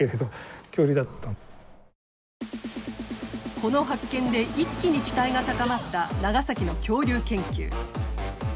この発見で一気に期待が高まった長崎の恐竜研究。